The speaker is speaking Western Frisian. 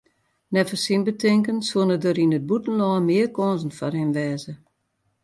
Neffens syn betinken soene der yn it bûtenlân mear kânsen foar him wêze.